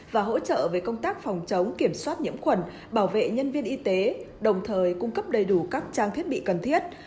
và hỗ trợ về công tác phòng chống kiểm soát nhiễm khuẩn bảo vệ nhân viên y tế đồng thời cung cấp đầy đủ các trang thiết bị cần thiết